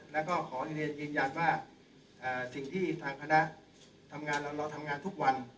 แล้วก็ขอเรียนยืนยันว่าสิ่งที่ทางคณะทำงานเราทำงานทุกวัน